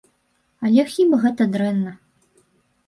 Але хіба гэта дрэнна?